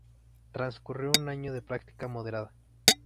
Transcurrió un año de práctica moderada.